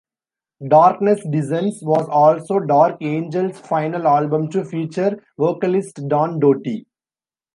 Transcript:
"Darkness Descends" was also Dark Angel's final album to feature vocalist Don Doty.